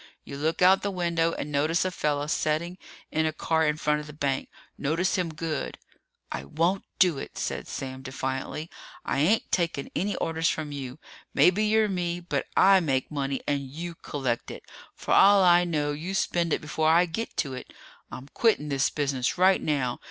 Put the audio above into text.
You look out the window and notice a fella setting in a car in front of the bank. Notice him good!" "I won't do it," said Sam defiantly. "I ain't taking any orders from you! Maybe you're me, but I make money and you collect it. For all I know you spend it before I get to it! I'm quitting this business right now.